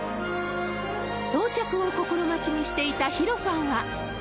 到着を心待ちにしていたヒロさんは。